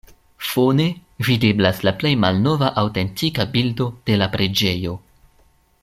Fone videblas la plej malnova aŭtentika bildo de la preĝejo.